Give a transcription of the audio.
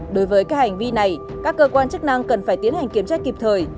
đối với các hành vi này các cơ quan chức năng cần phải tiến hành kiểm tra kịp thời